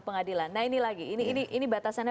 pengadilan nah ini lagi ini batasannya